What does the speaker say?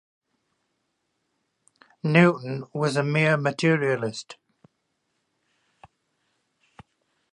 Newton was a mere materialist.